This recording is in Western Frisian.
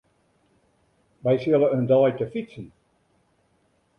Wy sille in dei te fytsen.